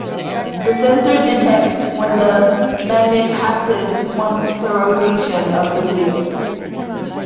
The sensor detects when the magnet passes once per rotation of the wheel.